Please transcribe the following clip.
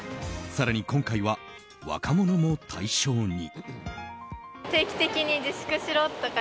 更に今回は若者も対象に。